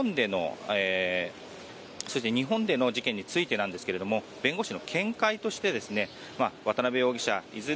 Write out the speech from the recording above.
そして日本での事件についてなんですが弁護士の見解として渡邉容疑者いずれ